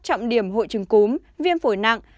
trọng điểm hội trừng cúm viêm phổi nặng